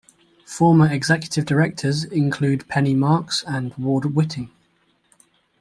Former executive directors include Penny Marks and Ward Whiting.